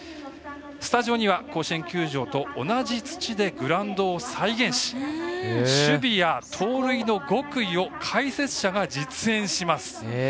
スタジオには甲子園球場と同じ土でグラウンドを再現し守備や盗塁の極意を解説者が実演します。